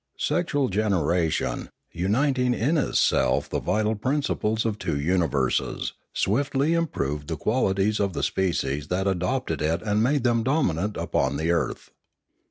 Sexual generation, uniting in itself the vital principles of two universes, swiftly improved the qualities of the species that adopted Ethics 583 it and made them dominant upon the earth.